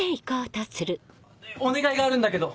お願いがあるんだけど。